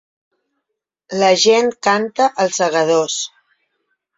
La gent canta ‘Els segadors’